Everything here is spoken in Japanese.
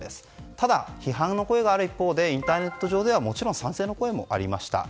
ただ批判の声がある一方でインターネット上ではもちろん賛成の声もありました。